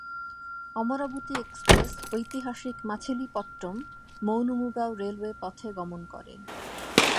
Amaravati express ঐতিহাসিক মাছিলিপট্টম-মৌনমুগাও railway পথে গমন করে।